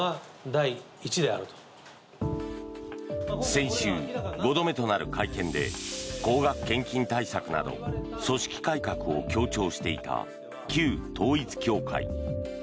先週、５度目となる会見で高額献金対策など組織改革を強調していた旧統一教会。